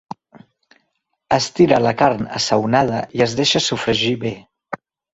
Es tira la carn assaonada i es deixa sofregir bé.